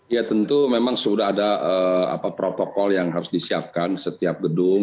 ya tentu memang sudah ada protokol yang harus disiapkan setiap gedung